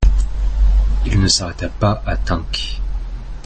Il ne s'arrêta pas à Tinques.